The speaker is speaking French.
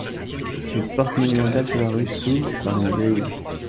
Une porte monumentale sur la rue s'ouvre par une grille.